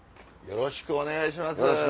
よろしくお願いします。